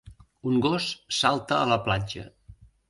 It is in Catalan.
Un gos salta a la platja.